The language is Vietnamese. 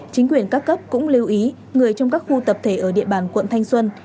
chính quyền các cấp cũng lưu ý người trong các khu tập thể ở địa bàn quận thanh xuân